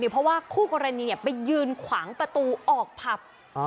เพราะว่าคู่กรณีไปยืนขวางประตูออกผับ